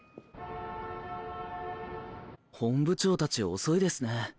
本部長たち遅いですね。